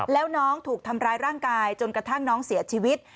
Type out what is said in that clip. แล้วน้องถูกทำร้ายร่างกายจนกระทั่งน้องเสียชีวิต